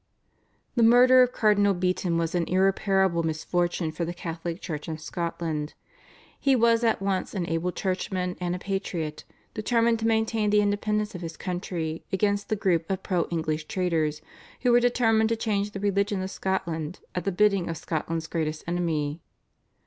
The murder of Cardinal Beaton was an irreparable misfortune for the Catholic Church in Scotland. He was at once an able churchman and a patriot, determined to maintain the independence of his country against the group of pro English traitors, who were determined to change the religion of Scotland at the bidding of Scotland's greatest enemy.